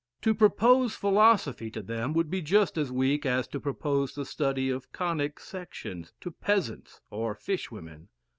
To propose philosophy to them, would be just as weak as to propose the study of conic sections to peasants or fish women.